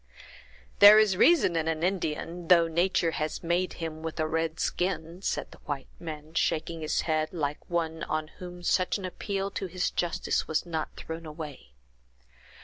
"There is reason in an Indian, though nature has made him with a red skin!" said the white man, shaking his head like one on whom such an appeal to his justice was not thrown away.